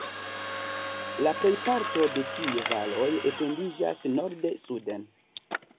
La plejparto de tiuj valoj etendiĝas norde-suden.